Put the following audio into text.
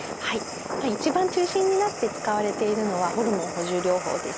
一番中心になって使われているのはホルモン補充療法です。